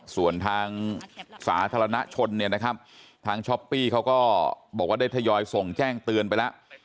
ส่วนทางสาธารณชนเนี่ยนะครับทางช้อปปี้เขาก็บอกว่าได้ทยอยส่งแจ้งเตือนไปแล้ว